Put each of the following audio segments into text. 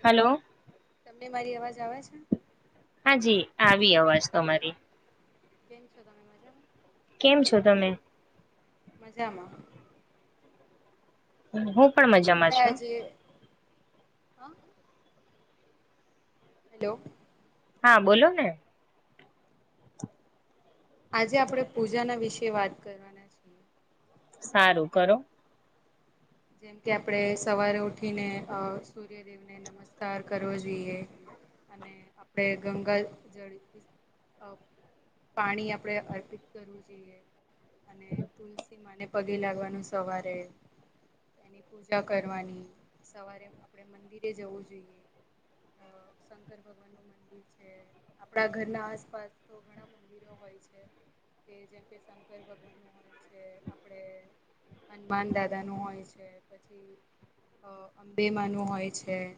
Hello hello. તમને મારી અવાજ આવે છે. હાજી આવી અવાજ તમારી બેન છો તમે મજામાં? કેમ છો તમે? મજામાં હું પણ મજામાં છું. હ. હેલો. હા બોલો ને. આજે આપણેે પૂજા ના વિશે વાત કરવાના છીએ. સારું કરો. જેમ કે આપણે સવારે ઉઠીને અ સૂર્યદેવને નમસ્કાર કરવો જોઈએ. અને આપડે ગંગા જળ પાણી આપડણે અર્પિત કરવું જોઈએ. અને તુલસીમાંને પગે લાગવાનું સવારે. એની પૂજા કરવાની સવારે આપણે મંદિરે જવું જોઈએ. શંકર ભગવાન નું મંદિર છે આપણા ઘર ના આસપાસ તો ઘણા મંદિરો હોય. કે જેમ કે શંકર ભગવાન નું હોય છે આપડ હનુમાન દાદા નું હોય છે. છે પછી અંબેમાનું હોય છે.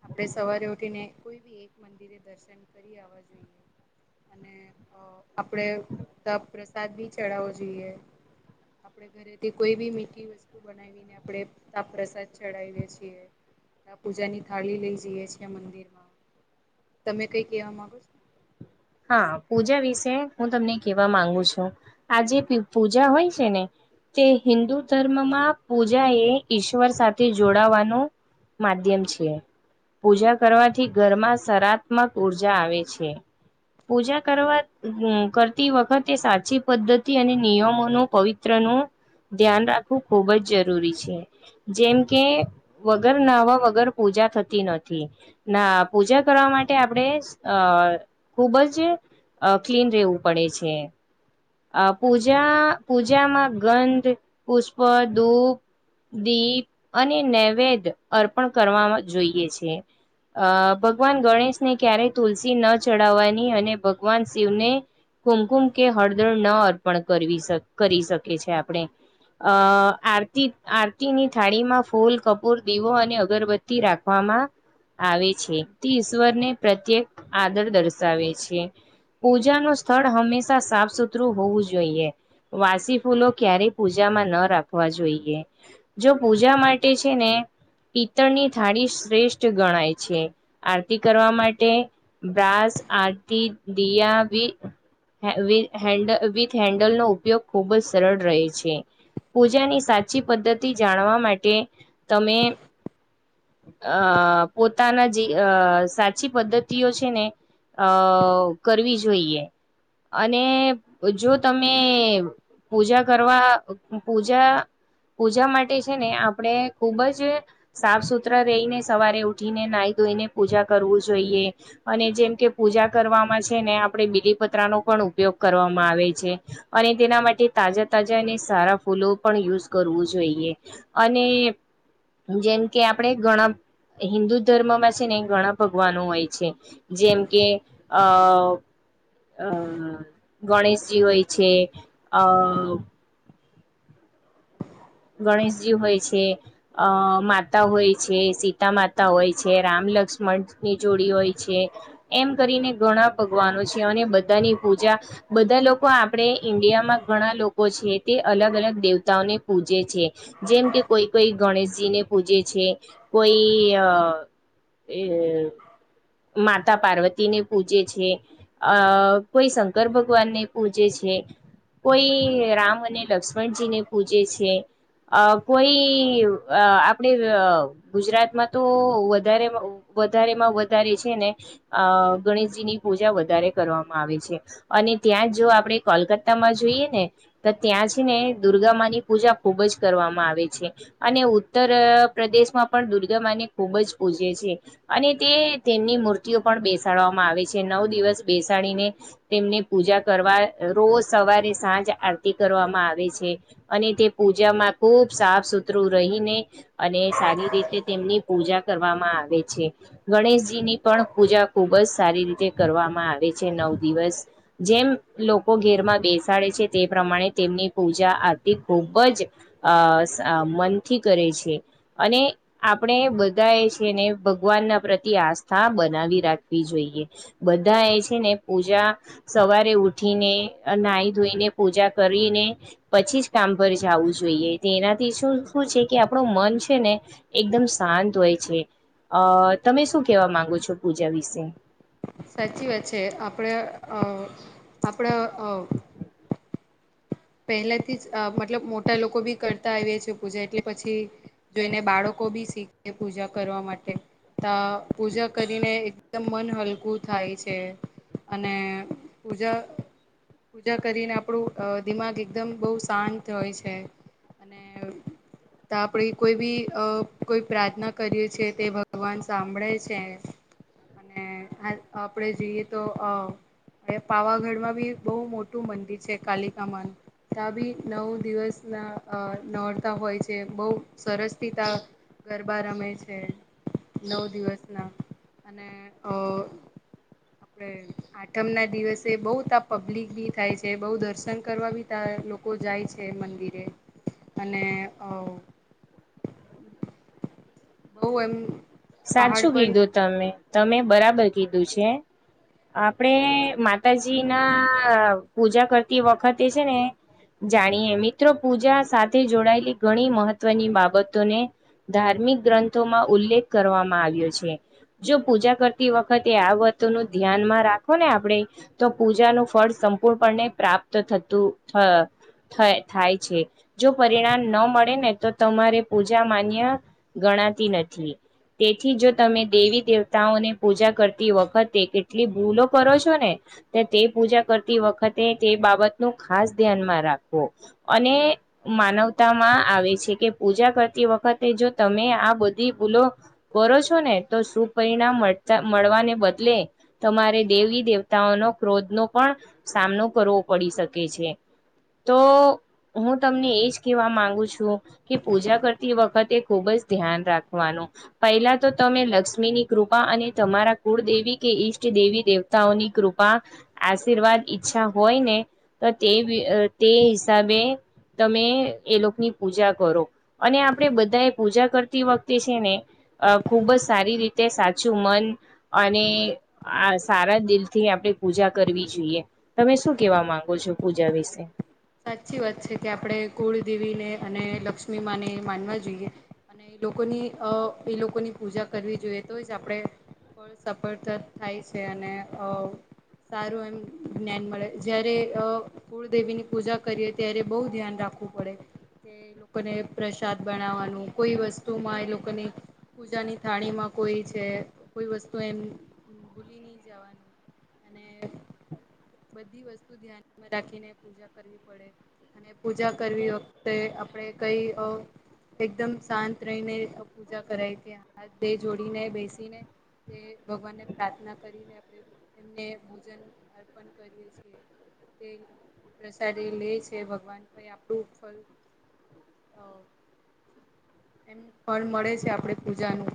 આપડણે સવારે ઉઠીને કોઈ બી એક મંદિરે દર્શન કરી આવવા જોઈએ. અને આપણેે તપ પ્રસાદ બી ચડાવો જોઈએ. આપડે ઘરેથી કોઈ બી મીઠી વસ્તુ બનાવીને આપડે તાપ પ્રસાદ ચડાવએ છીએ. ત્યા પૂજા ની થાળી લઈ જઈએ છે મંદિર માં તમે કઈ કહેવા માંગો છો? હા પૂજા વિશે હું તમને કેવા માંગુ છું આજે પૂજા હોય છે ને. તે હિન્દુ ધર્મમાં પૂજા એ ઈશ્વર સાથે જોડાવાનું. માધ્યમ છે. પૂજા કરવાથી ઘરમાં સરાત્મક ઉર્જા આવે છે. પૂજા કરવા કરતી વખતે સાચી પદ્ધતિ અને નિયમોનું પવિત્રનુ ધ્યાન રાખવું ખૂબ જ જરૂરી છે જેમ કે વગર નાહવા વગર પૂ પૂજા થતી નથી, ના પૂજા કરવા માટે આપડે અહ ખુબજ અહ ક્લીન રહેવું પડે છે. અહ પૂજા પૂજામાં ગંધ, પુષ્પ, દૂપ દીપ અને નૈવેદ્ય અર્પણ કરવામાં જોઈએ છે. અહ ભગવાન ગણેશને ક્યારેય તુલસી ન ચડાવવાની અને ભગવાન શિવને કુમકુમ કે હળદર ન અર્પણ કરવી કરી શકે છે આપણે અહ આરતી, આરતી ની થાળી માં ફૂલ, કપૂર, દીવો અને અગરબત્તી રાખવા માં આવે છે, તે ઈશ્વરને પ્રત્યેક આદર દર્શાવે છે. પૂજા નું સ્થળ હંમેશા સાફ સુથરું હોવું જોઈએ. વાસી ફૂલો ક્યારે પૂજા માં ન રાખવા જોઈએ. જો પૂજા માટે છે ને પિત્તળની થાળી શ્રેષ્ઠ ગણાય છે. આરતી કરવા માટે પ્રાઝ આરતી દિયા બી હે વી હેન્ડ વિથ હેન્ડલનો ઉપયોગ ખૂબજ સરળ રહે છે. પૂજાની સાચી પદ્ધતિ જાણવા માટે, તમે અહ પોતાના જે અહ સાચી પદ્ધતિઓ છે ને અહ કરવી જોઈએ. અને જો તમે પૂજા કરવા, પૂજા પૂજા માટે છે ને આપડે ખુબજ સાફ સુથરા રહીને, સવારે ઉઠીને નાઈ ધોઈને પૂજા કરવું જોઈએ અને જેમકે પૂજા કરવામાં છે ને આપડે બીલીપત્રા નો પણ ઉપયોગ કરવામાં આવે છે અને તેના તેના માટે તાજા તાજા અને સારા ફૂલો પણ યુઝ કરવું જોઈએ અને જેમ કે આપણે ઘણા, હિન્દુ ધર્મમાં છે ને ઘણા ભગવાનો હોય છે. જેમકે અહ હમ્મ ગણેશજી હોય છે, અહ ગણેશજી હોય છે, અહ માતા હોય છે, સીતા માતા હોય છે, રામ લક્ષ્મણ ની જોડી હોય છે, એમ કરીને ઘણા ભગવાનો છે અને બધાની પૂજા બધા લોકો આપડે, ઇન્ડિયામાં ઘણા લોકો છે, તે અલગ અલગ દેવતાઓને પૂજે છે, જેમ કે કોઈ કોઈ ગણેશજીને પૂજે છે, કોઈ અહ એ માતા પાર્વતી ને પૂજે છે, અહ કોઈ શંકર ભગવાનને પૂજે છે, કોઈ રામ અને લક્ષ્મણજી ને પૂજે છે, અહ કોઈ આ આપડે અહ ગુજરાતમાં તો વધારે વધારેમાં વધારે છે ને, અહ ગણેશજીની પૂજા વધારે કરવામાં આવે છે અને ત્યાં જો આપડે કોલકાતામાં જોઈએ ને, ત્યાં છે ને દુર્ગા માની પૂજા ખુબજ કરવામાં આવે છે અને ઉત્તર પ્રદેશમાં પણ દુર્ગા માને ખુબજ પૂજે છે અને તે તેમની મૂર્તિઓ પણ બેસાડવામાં આવે છે, નવ દિવસ બેસાડીને તેમને પૂજા કરવા. રોજ સવારે, સાંજ આરતી કરવામાં આવે છે. અને તે પૂજામાં ખુબ સાફ સુથરું રહીને અને સારી રીતે તેમની પૂજા કરવામાં આવે છે. ગણેશજી ની પણ પૂજા ખુબજ સારી રીતે કરવામાં આવે છે. ન નવ દિવસ, જેમ લોકો ઘેરમાં બેસાડે છે તે પ્રમાણે તેમની પૂજા આરતી ખૂબજ અહ મનથી કરે છે અને આપણે બધા એ છે ને ભગવાન ના પ્રતિ આસ્થા બનાવી રાખવી જોઈએ. બધાએ છે ને પૂજા સવારે ઉઠીને, નાઈ ધોઈને પૂજા કરીને, પછીજ કામ પર જાવું જોઈએ, તે એનાથી શું શું છે કે આપડુ મન છે ને એકદમ શાંત હોય છે. અહ તમે શું કેવા માંગો છો, પૂજા વિશે? સાચી વાત છે. આપડે અહ આપડા અહ પહેલાથી જ મતલબ મોટા લોકો બી કરતા આવીએ છે પૂજા, એટલે પછી જો એને બાળ કો બી શીખે પૂજા કરવા માટે તા પૂજા કરીને એકદમ મન હલકું થાય છે. અને પૂજા પૂજા કરીને આપણું. દિમાગ એકદમ બહુ શાંત હોય છે, અને તો આપડી કોઈ બી અ કોઈ પ્રાર્થના કરીએ છ છે તે ભગવાન સાંભળે છે. અને આપડે જઈએ તો અ હ પાવાગઢ માં બી બહુ મોટું મંદિર છે કાલિકામાન. તા બી નવ દિવસના નોડતા હોય છે બહુ સરસથી ત ગરબા રમે છે. નવ દિવસના, અને અ આપડ આઠમ ના દિવસે બઉ ત આ પબ્લિક બી થાય છે બઉ દર્શન કરવા બી ત લોકો જાય છે મંદિરે, અને બહ એમ. પહાડ સાચું પર કીધું તમે તમે બરાબર કીધું છે. આપડણે માતાજી ના પૂજા કરતી વખતે છે ને. જાણીએ મિત્રો પૂજા સાથે જોડાયેલી ઘણી મહત્વની બાબતોને. ધાર્મિક ગ્રંથોમાં ઉલ્લેખ કરવામાં આવ્યો છે, જો પૂજા કરતી વખતે આ વાતો નું ધ્યાન માં રાખો ને આપણે. તો પૂજાનું ફળ સંપૂર્ણપણે પ્રાપ્ત થતું થ થાય છે, જો પરિણામ ન મળે ને તો તમારે પૂજા માન્ય ગણ ગણાતી નથી. તેથી જો તમે દેવી દેવતાઓની પૂજા કરતી વખતે કેટલી ભૂલો કરો છો ને. તે પૂજા કરતી વખતે તે બાબત નું ખાસ ધ્યાનમાં રાખવો, અને માનવતામાં આવે છે કે પૂજા કરતી વખતે જો તમે આ બધી ભૂલો કરો છો ને તો સુ પરિણામ મળતા મળવાને બદલે, તમારે દેવી દેવતા ન ક્રોધ નો પણ, સામનો કરવો પડી શકે છે, તો હું તમને એજ કેવા માંગુ છું, કે પૂજા કરતી વખતે ખુબ જ ધ્યાન રાખવાનું. પહેલા તો તમે લક્ષ્મીની કૃપા અને તમારા કુળદેવી કે ઈષ્ટ દેવી દેવતાઓની કૃપા આશીર્વાદ ઈચ્છા હોય ને તો તે તે હિસાબે તમે એલોની પૂજા કરો, અને આપણેે બધા એ પૂજા કરતી વખતે છે ને. અ ખુબ જ સારી રીતે સાચું મન, અને આ સારા દિલ થી આપણે પૂજા કરવી જોઈએ, તમે શું કેવા માંગો છો પૂજા વિશે. સાચી વાત છે કે આપણે કુળદેવીને અને લક્ષ્મી માને માનવા જોઈએ. અને એ લોકોની અ એ લોકોની પૂજા કરવી જોઈએ તો જ આપડણે પણ સફળતા થાય છે અને સારું એમ જ્ઞાન મળે જયારે કુળદેવીની પૂજા કરીએ ત્યારે બહુ ધ્યાન રાખવું પડે. કે લોકોને પ્રસાદ બનાવવાનું કોઈ વસ્તુમાં એ લોકોની પૂજાની થાળીમાં કોઈ છે કોઈ વસ્તુ એમ ભૂલી નહી જવાનું. અને બધી વસ્તુ ધ્યાનમાં રાખીને પૂજા કરવી પડે, અને પૂજા કરવી વખતે આપણે કઈ એકદમ શાંત રહીને પૂજા કરાય કે હા દે જોડીને બેસીને તે ભગવાનને પ્રાર્થના કરીને આપણે એમને ભોજન અર્પણ કરીએ છીએ. તે પ્રસાદી લે છે ભગવાન ભાઈ આપણું ફલ અ એમ પણ મળે છે આપણે પૂજાનું.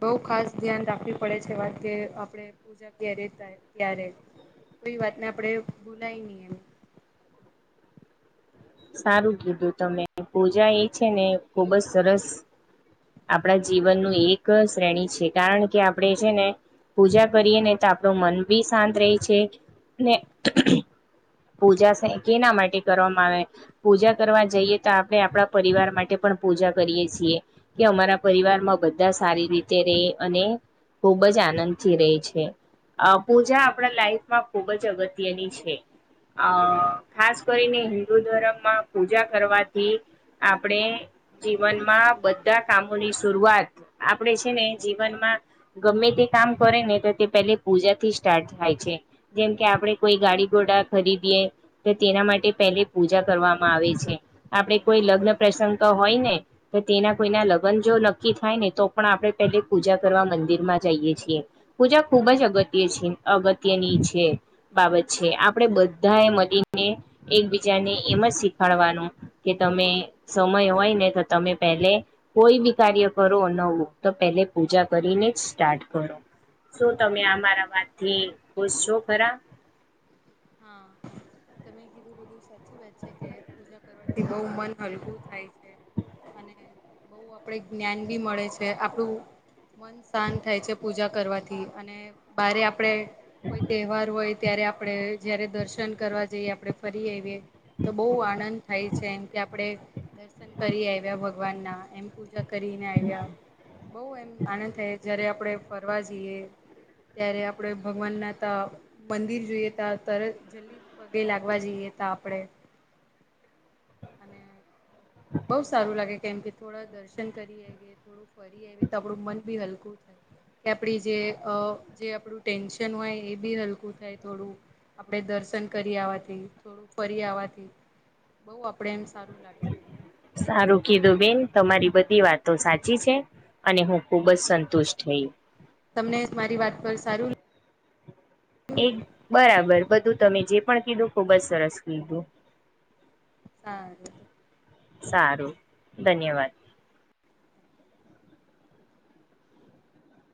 બઉ ખાસ ધ્યાન રાખવી પડે છે એવા કે આપણે પૂજા ક્યારે થાય ક્યારે. કોઈ વાતને આપડે ભોલાય નહી એમ. સારું કીધું તમે પૂજા એ છે ને ખુબ જ સરસ આપણા જીવનનું એક શ્રેણી છે કારણ કે આપણે છે ને. પૂજા કરીએ ને તો આપણું મન બી શાંત રહે છે, ને પૂજા કેના માટે કરવામાં આવે, પૂજા કરવા જઈએ તો આપણે આપણા પરિવાર માટે પણ પૂજા કરીએ છીએ કે અમારા પરિવાર માં બધા સારી રીતે ર અને ખુબ જ આનંદથી રહી છે. અ પૂજા આપણા લાઈફમાં ખૂબ જ અગત્યની છે, અ ખાસ કરીને હિન્દુ ધર્મમાં પૂજા કરવાથી, આપણે જીવનમાં બધા કામોની શરૂઆત આપણેે છે ને જીવનમાં ગમે તે કામ કરે ને તો તે પે પૂજાથી સ્ટાર્ટ થાય છે જેમ કે આપડે કોઈ ગાડી ગોડાક ખરીદીએ તો તેના માટે પહેલે પૂજા કરવામાં આવે છે, આપણે કોઈ લગ્ન પ્રસંગ હોય ને તો તેના કોઈના લગ્ન જો નક્કી થાય ને તો પણ આપણે પે પૂજા કરવા મંદિર માં જાય, પજા ખુબ જગ્ય અગત્યની છે બાબત છે. આપણે બધા એ મળને એકબીજાને એમ જ શીખાડવાનું કે તમે સમ હોય ને તો તમે પહેલે કોઈ બી કાર્ય કરો નવું તો પહેલે પૂજા કરીને જ કરો શું તમે અમારા વાતથી ખુશ છો ખરા? હા તમે કીધું બધું સાચી વાત છે કે પૂજા કરવાથી બહુ મન હલકું થાય છે. અને બહ આપડે જ્ઞાન બી મળે છે આપણું, મન શાંત થાય છે પૂજા કરવાથી અને બારે આપડે કોઈ તહેવાર હોય ત્યારે આપડણે જયારે દર્શન કરવા જઈએ, આપડણે ફરી આવીઈએ તો બહ આનંદ થાય છે એમ કે આપડે દર્શન કરી આવ્યા ભગવાન ના એમ પ પૂજા કરીને આવ્યા બહુ એમ આનંદ થાય જયારે આપણેે, ફરવા જઈએ ત્યારે આપણે ભગવાનના ત મંદિર જોઈએ, ત તર જલ્દી પગે લાગવા જઈએ ત આપડે, અને સારું લાગે કેમ કે થોડા દર્શન કરી આવીએ થોડું ફરી આવીએ તો આપણું મન બી હલકું થાય, કે આપડી જે જે આપણું ટેન્શન હોય એ બી હલકું થાય થોડું, આપણેે દર્શન કરી આવાથી થોડું ફરી આવાથી બઉ આપડે એમ સારું લાગે છેમ સારું કીધું બેન તમારી બધી વાતો સાચી છે. અને હું ખુબ જ સંતુષ્ટ થઈ, તમને મારી વાત પર સારું એક બરાબર બધું તમે જે પણ કીધું ખુબ જ સરસ કીધું. હા સારું ધન્યવાદ